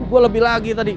gue lebih lagi tadi